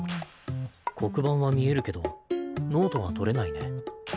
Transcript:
黒板は見えるけどノートは取れないね。